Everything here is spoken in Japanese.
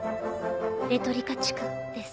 「レトリカ地区」です。